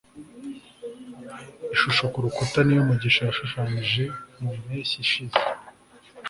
ishusho kurukuta niyo mugisha yashushanyije mu mpeshyi ishize